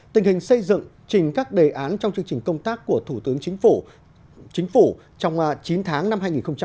tình hình xây dựng trình các đề án trong chương trình công tác của thủ tướng chính phủ trong chín tháng năm hai nghìn hai mươi